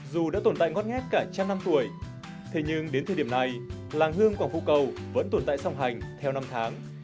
dù đã tồn tại ngót ngét cả trăm năm tuổi thế nhưng đến thời điểm này làng hương quảng phú cầu vẫn tồn tại song hành theo năm tháng